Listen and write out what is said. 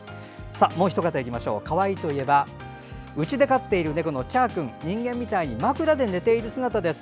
もう一方かわいいといえばうちで飼っている猫のちゃー君人間みたいに枕で寝ている姿です。